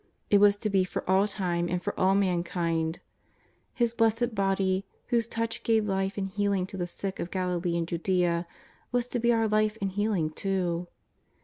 It was to be for all time and for all mankind. His blessed body, whose touch gave life and healing to the sick of Gali lee and Judea, was to be our life and healing, too.